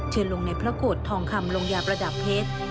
ลงในพระโกรธทองคำลงยาประดับเพชร